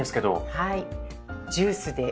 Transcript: はい。